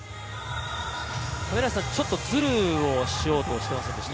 ちょっとズルをしようとしていませんでした？